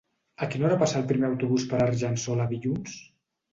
A quina hora passa el primer autobús per Argençola dilluns?